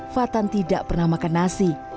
fatan tidak pernah makan nasi